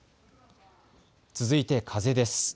続いて風です。